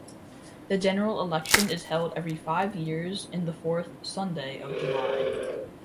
The general election is held every five years in the fourth Sunday of July.